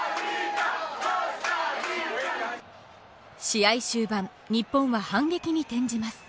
試合終盤日本は反撃に転じます。